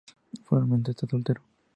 Por el momento está soltero.